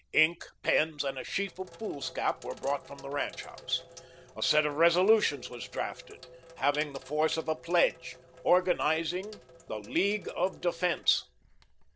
Ink, pens, and a sheaf of foolscap were brought from the ranch house. A set of resolutions was draughted, having the force of a pledge, organising the League of Defence.